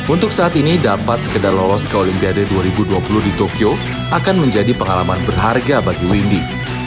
untuk saat ini dapat sekedar lolos ke olimpiade dua ribu dua puluh di tokyo akan menjadi pengalaman berharga bagi windy